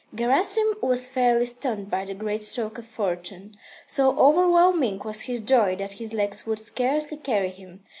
Gerasim was fairly stunned by the great stroke of fortune. So overwhelming was his joy that his legs would scarcely carry him.